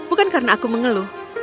bukan karena aku mengeluh